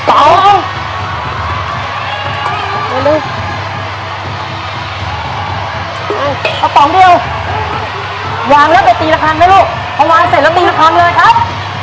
ได้ครับตรงกันวางแล้วไปตีละคันนะลูกพอวานเสร็จแล้วตีละคันเลยครับ